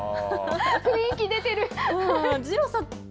雰囲気出てる。